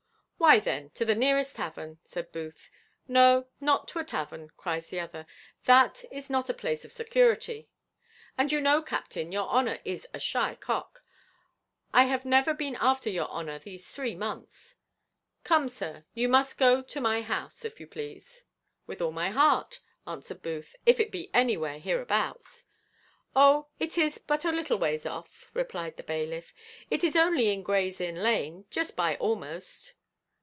"Why then, to the nearest tavern," said Booth. "No, not to a tavern," cries the other, "that is not a place of security; and you know, captain, your honour is a shy cock; I have been after your honour these three months. Come, sir, you must go to my house, if you please." "With all my heart," answered Booth, "if it be anywhere hereabouts." "Oh, it is but a little ways off," replied the bailiff; "it is only in Gray's inn lane, just by almost."